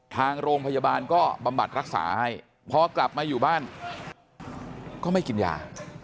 ทางโรงพยาบาลก็บำบัดรักษาให้พอกลับมาอยู่บ้านก็ไม่กินยา